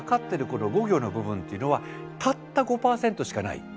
この５行の部分というのはたった５％しかない。